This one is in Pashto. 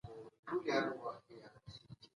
په هرات کي د صنعت لپاره کار فرصتونه څنګه زیاتېږي؟